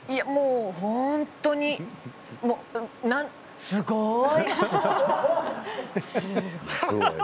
もう本当にすごい！